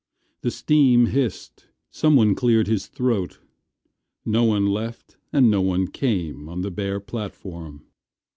The steam hissed. Someone cleared his throat. No one left and no one came On the bare platform.